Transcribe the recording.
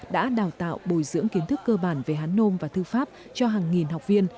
đã đào tạo bồi dưỡng kiến thức cơ bản về hán nôm và thư pháp cho hàng nghìn học viên